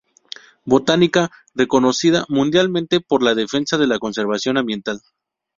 Botánica reconocida mundialmente por la defensa de la conservación ambiental.